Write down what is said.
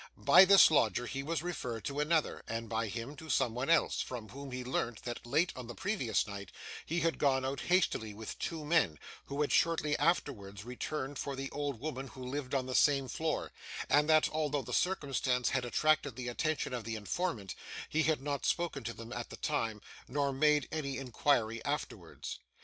By this lodger he was referred to another, and by him to someone else, from whom he learnt, that, late on the previous night, he had gone out hastily with two men, who had shortly afterwards returned for the old woman who lived on the same floor; and that, although the circumstance had attracted the attention of the informant, he had not spoken to them at the time, nor made any inquiry afterwards.